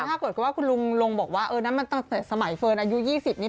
ถ้าเกิดว่าคุณลุงรงบอกว่าตั้งแต่สมัยเฟิร์นอายุ๒๐นี้